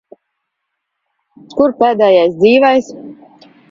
Kur pēdējais dzīvais?